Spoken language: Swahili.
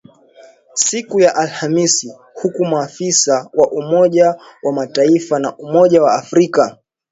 siku ya Alhamis huku maafisa wa Umoja wa Mataifa na Umoja wa Afrika